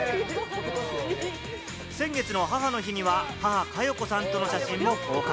先月の母の日には母・加代子さんとの写真も公開。